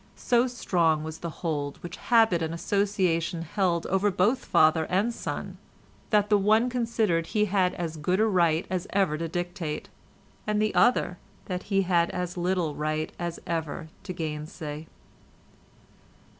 So strong was the hold which habit and association held over both father and son, that the one considered he had as good a right as ever to dictate, and the other that he had as little right as ever to gainsay.